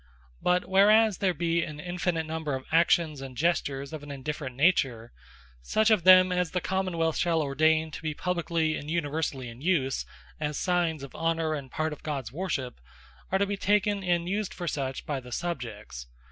But whereas there be an infinite number of Actions, and Gestures, of an indifferent nature; such of them as the Common wealth shall ordain to be Publiquely and Universally in use, as signes of Honour, and part of Gods Worship, are to be taken and used for such by the Subjects.